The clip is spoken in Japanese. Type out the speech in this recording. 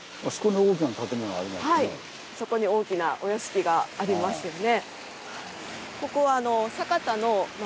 はいそこに大きなお屋敷がありますよね。